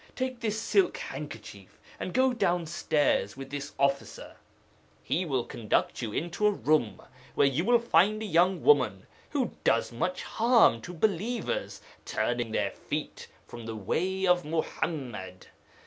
Take this silk handkerchief, and go downstairs with this officer. He will conduct you into a room where you will find a young woman who does much harm to believers, turning their feet from the way of Muḥammad.